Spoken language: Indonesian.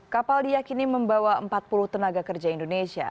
kapal diakini membawa empat puluh tenaga kerja indonesia